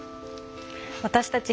私たち